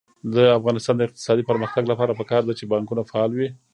د افغانستان د اقتصادي پرمختګ لپاره پکار ده چې بانکونه فعال وي.